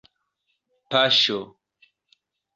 paŝo